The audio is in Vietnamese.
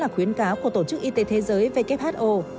đây là khuyến cáo của tổ chức y tế thế giới who